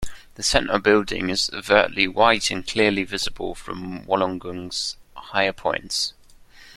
The centre building is overtly white and clearly visible from Wollongong's higher points.